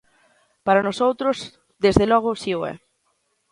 Para nosoutros, desde logo, si o é.